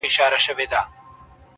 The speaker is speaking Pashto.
دریم یار په ځان مغرور نوم یې دولت وو!!